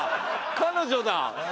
彼女だ！